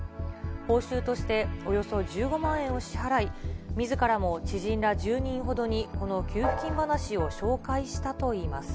報酬としておよそ１５万円を支払い、みずからも知人ら１０人ほどに、この給付金話を紹介したといいます。